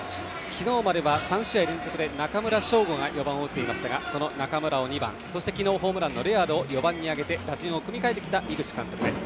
昨日までは３試合連続で中村奨吾が４番を打っていましたがその中村を２番そして昨日、ホームランのレアードを４番に上げて打順を組み替えてきた井口監督です。